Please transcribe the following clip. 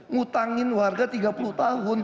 ngutangin warga tiga puluh tahun